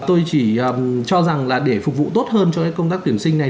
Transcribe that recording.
tôi chỉ cho rằng là để phục vụ tốt hơn cho cái công tác tuyển sinh này